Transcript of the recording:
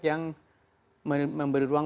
yang memberi ruang